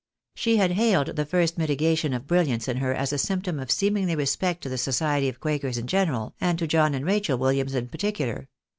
She had hailed the first mitigation of brilliance in her as a symptom of seemly respect to the society of quakers in general, and to John and Rachel WiUiams in particular.